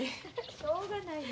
しょうがないな。